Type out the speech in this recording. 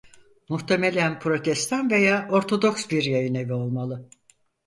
Muhtemelen Protestan veya Ortodoks bir yayınevi olmalı.